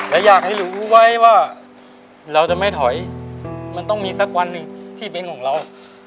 และอยากให้รู้ไว้ว่าเราจะไม่ถอยมันต้องมีสักวันหนึ่งที่เป็นของเรา